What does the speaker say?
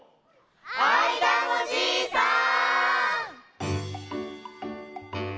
あいだのじいさん！